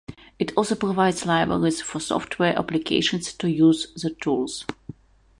It also provides libraries for software applications to use the tools.